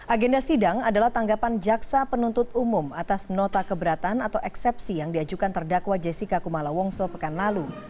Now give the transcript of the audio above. agenda sidang adalah tanggapan jaksa penuntut umum atas nota keberatan atau eksepsi yang diajukan terdakwa jessica kumala wongso pekan lalu